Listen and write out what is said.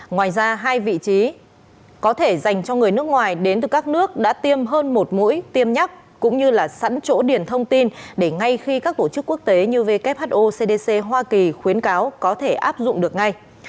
ngoài ra hai vị trí có thể dành cho người nước ngoài đến từ các nước đã tiêm hơn một mũi tiêm nhắc cũng như là sẵn chỗ điển thông tin để ngay khi các tổ chức quốc tế như who cdc hoa kỳ khuyến cáo có thể áp dụng được ngay